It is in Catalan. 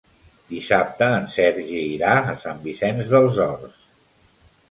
Dissabte en Sergi irà a Sant Vicenç dels Horts.